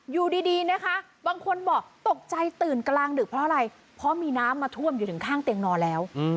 อยู่ดีนะคะบางคนบอกตกใจตื่นกลางดึกเพราะอะไรเพราะมีน้ำมาท่วมอยู่ถึงข้างเตียงนอนแล้ว